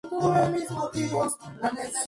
Coruscant fue alertado y la República se preparó.